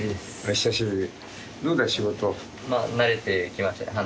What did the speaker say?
久しぶり。